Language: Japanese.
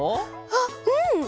あっうん！